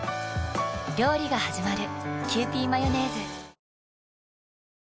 料理がはじまる。